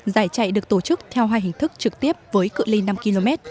giải trại được tổ chức theo hai hình thức trực tiếp với cự linh năm km